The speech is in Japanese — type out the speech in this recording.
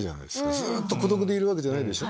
ずっと孤独でいるわけじゃないでしょ。